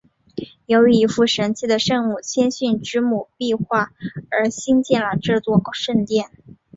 由于一幅神奇的圣母谦逊之母壁画而兴建了这座圣殿。